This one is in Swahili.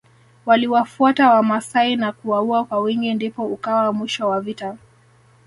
Waliwafuata wamasai na kuwaua kwa wingi ndipo ukawa mwisho wa vita